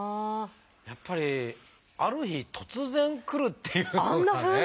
やっぱりある日突然くるっていうことがね。